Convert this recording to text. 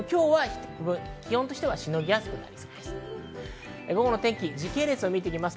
気温としてはしのぎやすくなっています。